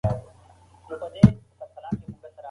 هغوی خپل ځانونه د ولس خادمان ګڼل او ساده ژوند یې درلود.